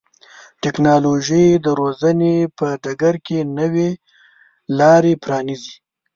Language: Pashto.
ټکنالوژي د روزنې په ډګر کې نوې لارې پرانیزي.